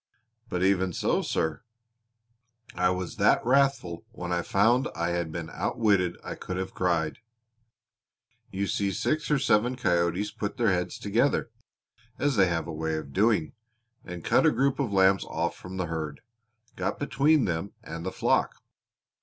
"But even so, sir, I was that wrathful when I found I had been outwitted I could have cried. You see six or seven coyotes put their heads together, as they have a way of doing, and cut a group of lambs off from the herd got between them and the flock.